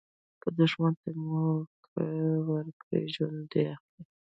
که دوښمن ته موکه ورکړي، ژوند دي اخلي.